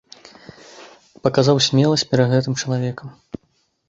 Паказаў смеласць перад гэтым чалавекам.